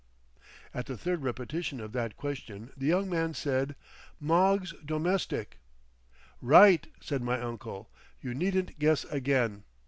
_" At the third repetition of that question the young man said, "Moggs' Domestic." "Right," said my uncle. "You needn't guess again.